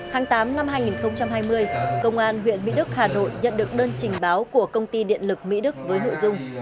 tháng tám năm hai nghìn hai mươi công an huyện mỹ đức hà nội nhận được đơn trình báo của công ty điện lực mỹ đức với nội dung